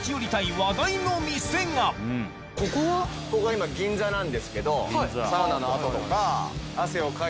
とここは今銀座なんですけど。